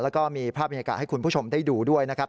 แล้วก็มีภาพบรรยากาศให้คุณผู้ชมได้ดูด้วยนะครับ